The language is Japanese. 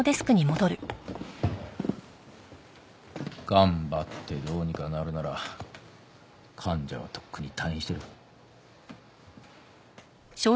頑張ってどうにかなるなら患者はとっくに退院してる。